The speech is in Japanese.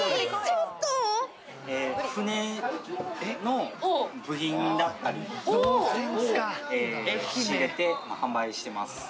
船の部品だったりとかを仕入れて販売してます。